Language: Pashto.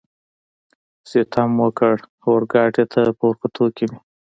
ستم وکړ، اورګاډي ته په ورختو کې مې.